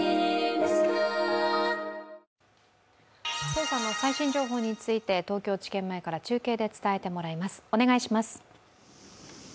捜査の最新情報について東京地検前から中継で伝えてもらいます。